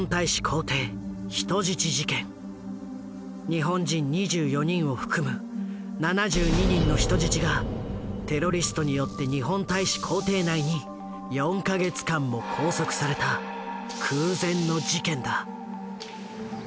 日本人２４人を含む７２人の人質がテロリストによって日本大使公邸内に４ヶ月間も拘束された空前の事件だ。